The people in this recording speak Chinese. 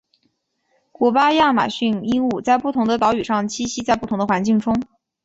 古巴亚马逊鹦鹉在不同的岛屿上栖息在不同的环境。